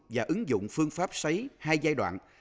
và ứng dụng phương pháp sấy hai giai đoạn